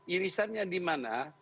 irisannya di mana